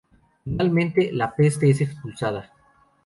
Finalmente la "Peste" es expulsada.